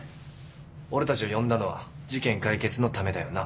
俺たちを呼んだのは事件解決のためだよな？